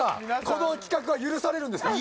この企画は許されるんですか？